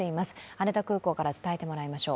羽田空港から伝えてもらいましょう。